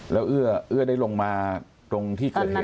แล้วเอื้อได้ลงมาตรงที่เกิดเหตุ